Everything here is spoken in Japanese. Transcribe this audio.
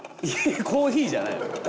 いやコーヒーじゃないの？